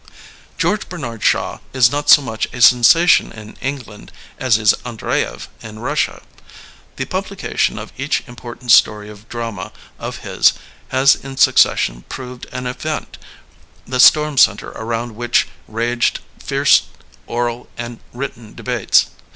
George Bernard Shaw is not so much a sensation in England as is Andreyev in Bussia. The publi cation of each important story or drama of his has in succession proved an event, the storm center around which raged fierce oral and written debates.